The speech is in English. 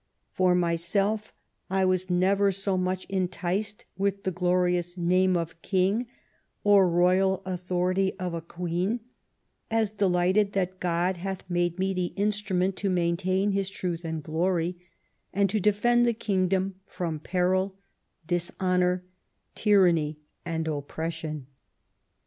For myself I was never so much enticed with the glorious name of a King, or royal authority of a Queen, as delighted that God hath made me the instrument to maintain His truth and glory, and to defend the kingdom from peril, dishonour, tyranny and oppression.